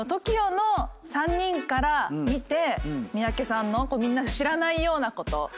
ＴＯＫＩＯの３人から見て三宅さんのみんな知らないようなこと。